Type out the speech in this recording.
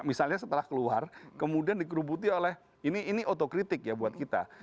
misalnya setelah keluar kemudian dikerubuti oleh ini otokritik ya buat kita